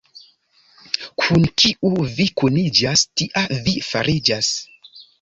Kun kiu vi kuniĝas, tia vi fariĝas.